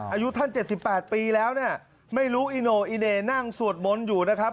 อายุท่าน๗๘ปีแล้วเนี่ยไม่รู้อีโน่อีเหน่นั่งสวดมนต์อยู่นะครับ